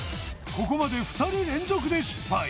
ここまで２人連続で失敗